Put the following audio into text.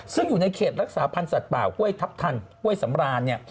ซึ่งอยู่ในเขตรักษาพันธ์สัตว์ป่าห้วยทัพทันห้วยสำรานเนี่ย